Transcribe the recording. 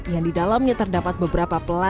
yang didalamnya terdapat beberapa pelan